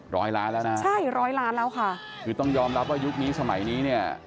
ร้อยล้านแล้วนะครับคุณต้องยอมรับว่ายุคนี้สมัยนี้